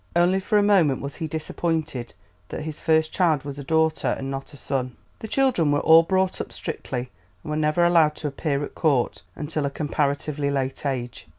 Only for a moment was he disappointed that his first child was a daughter and not a son. The children were all brought up strictly and were never allowed to appear at Court until a comparatively late age.